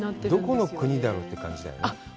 どこの国だろうって感じだよね。